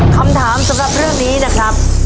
คำถามสำหรับเรื่องนี้นะครับ